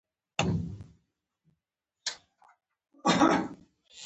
اوبه او ځنګلونه د یو او بل سره تړلی دی